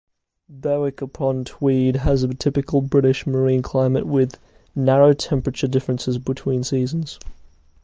Berwick-upon-Tweed has a typical British marine climate with narrow temperature differences between seasons.